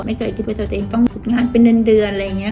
ไม่เคยคิดว่าตัวเองต้องฝึกงานเป็นเดือนอะไรอย่างนี้